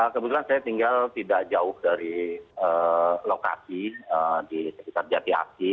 kebetulan saya tinggal tidak jauh dari lokasi di sekitar jati asi